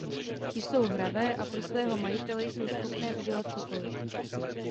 Jsou hravé a pro svého majitele jsou schopné udělat cokoliv.